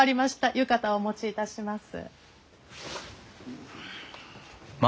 浴衣をお持ちいたします。